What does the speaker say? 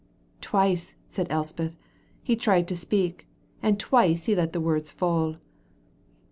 "Twice," said Elspeth, "he tried to speak, and twice he let the words fall."